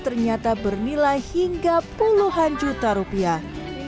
ternyata bernilai hingga puluhan juta rupiah